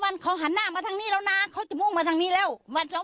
วันเขาหันหน้ามาทางนี้แล้วนะเขาจะมุ่งมาทางนี้แล้วบ้านสอง